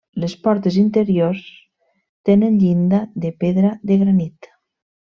Les portes interiors tenen llinda de pedra de granit.